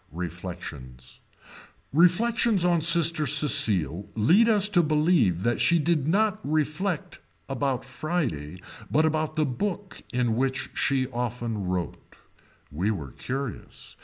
Reflections. Reflections on Sister Cecile lead us to believe that she did not reflect about Friday but about the book in which she often wrote. We were curious.